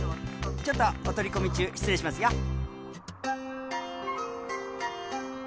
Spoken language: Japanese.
ちょっとお取り込み中失礼しますよ！